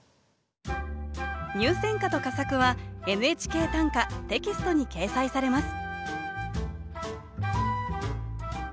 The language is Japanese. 入選歌と佳作は「ＮＨＫ短歌」テキストに掲載されます